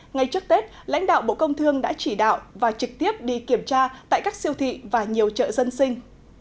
ngay trước tết lãnh đạo bộ công thương đã chỉ đạo và trực tiếp đi kiểm tra tại các siêu thị và nhiều chợ dân sinh